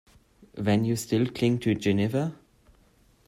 Then you still cling to Geneva?